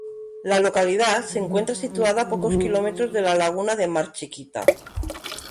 La localidad se encuentra situada a pocos kilómetros de la laguna de Mar Chiquita.